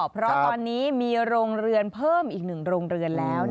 เพราะตอนนี้มีโรงเรือนเพิ่มอีก๑โรงเรือนแล้ว